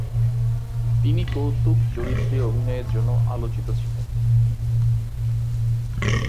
তিনি কৌতুক চরিত্রে অভিনয়ের জন্যে আলোচিত ছিলেন।